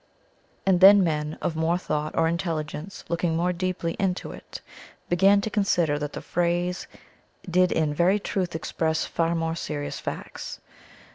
And then men of more thought or intelligence, looking more deeply into it, began to consider that the phrase did in very truth express far more serious facts.